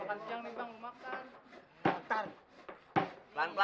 eh coba taruh yang tubuh itu